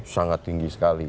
sangat tinggi sekali